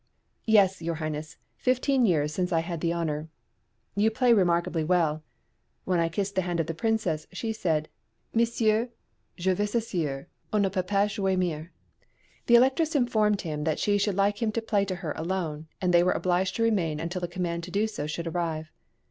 "Yes, your highness; fifteen years since I had the honour" "You play remarkably well." When I kissed the hand of the Princess she said, "Monsieur, je vous assure, on ne peut pas jouer mieux." The Electress informed him that she should like him to play to her alone, and they were obliged to remain until the command to do so should arrive.